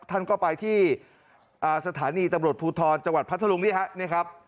ท่านก็ไปที่สถานีตำรวจภูทรจังหวัดพัทธรุงนี่ฮะนี่ครับ